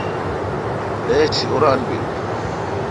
اے سی اوران بیل۔